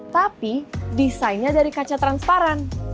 tapi desainnya dari kaca transparan